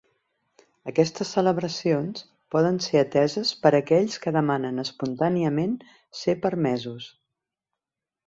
Aquestes celebracions poden ser ateses per aquells que demanen espontàniament ser permesos.